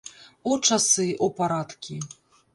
О, часы, о, парадкі!